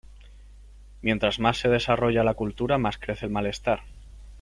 Mientras más se desarrolla la cultura, más crece el malestar.